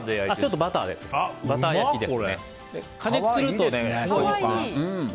バター焼きです。